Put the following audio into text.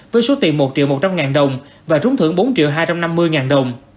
với số tiền một triệu một trăm linh ngàn đồng và trúng thưởng bốn triệu hai trăm năm mươi ngàn đồng